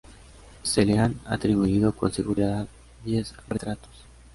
Se le han atribuido con seguridad diez retratos.